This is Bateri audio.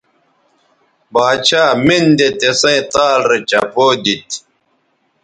باڇھا مِن دے تِسیئں تال رے چپو دیتھ